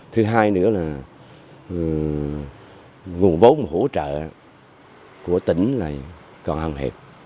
thứ hai nữa là nguồn vốn hỗ trợ của tỉnh là còn hăng hiệp